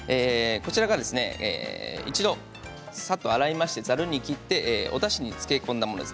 こちらは、一度さっと洗いましてざるに切っておだしにつけ込んだものです。